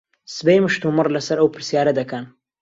سبەی مشتومڕ لەسەر ئەو پرسیارە دەکەن.